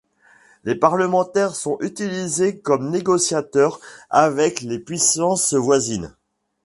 Les parlementaires sont utilisés comme négociateurs avec les puissances voisines.